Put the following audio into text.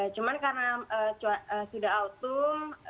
cuman karena sudah otom